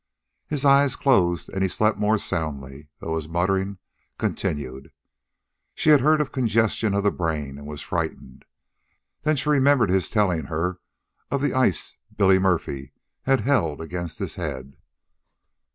His eyes closed, and he slept more soundly, though his muttering continued. She had heard of congestion of the brain, and was frightened. Then she remembered his telling her of the ice Billy Murphy had held against his head.